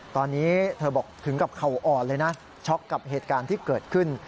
ตอนนี้เธอบอกถึงกับเขาอ่อนเลยนะช็อกกับเหตุการณ์ที่เกิดขึ้น